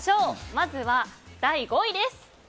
まずは、第５位です。